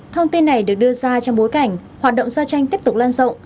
thông tin này được đưa ra trong bối cảnh hoạt động giao tranh tiếp tục lan rộng